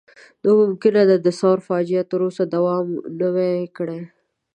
نو ممکن د ثور فاجعه تر اوسه دوام نه وای کړی.